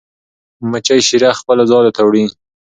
مچۍ شیره خپلو ځالو ته وړي.